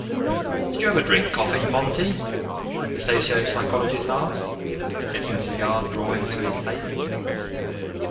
"Did you ever drink coffee, Monty?" the socio psychologist asked, getting the cigar drawing to his taste.